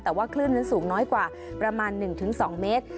แต่ว่าคลื่นนั้นสูงน้อยกว่าประมาณ๑๒เมตร